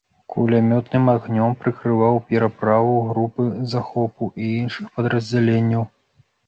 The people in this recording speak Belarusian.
Кулямётным агнём прыкрываў пераправу групы захопу і іншых падраздзяленняў.